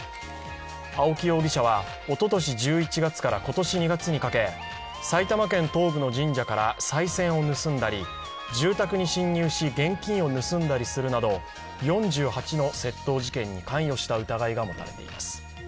青木容疑者はおととし１１月から今年２月にかけ埼玉県東部の神社からさい銭を盗んだり、住宅に侵入し現金を盗んだりするなど４８の窃盗事件に関与した疑いが持たれています。